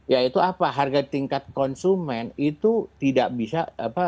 yaitu apa harga tingkat konsumen itu tidak bisa